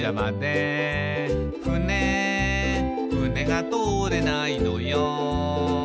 「ふねふねが通れないのよ」